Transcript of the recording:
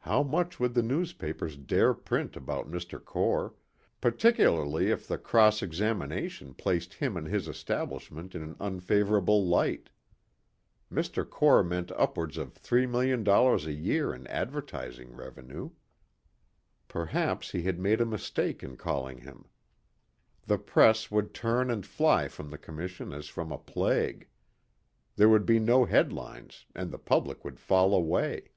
How much would the newspapers dare print about Mr. Core, particularly if the cross examination placed him and his establishment in an unfavorable light? Mr. Core meant upwards of $3,000,000 a year in advertising revenue. Perhaps he had made a mistake in calling him. The press would turn and fly from the commission as from a plague. There would be no headlines and the public would fall away.